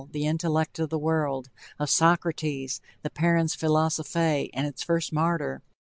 the intellect of the world, of Socrates! the parens philosophiae, and its first martyr!